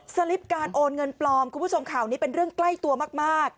ลิปการโอนเงินปลอมคุณผู้ชมข่าวนี้เป็นเรื่องใกล้ตัวมาก